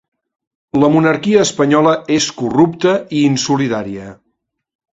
La monarquia espanyola és corrupta i insolidària.